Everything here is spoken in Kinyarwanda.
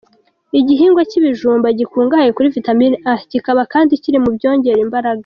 Igihingwa cy’ibijumba gikungahaye kuri Vitamini A, kikaba kandi kiri mu byongera imbaraga.